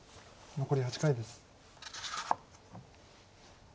残り８回です。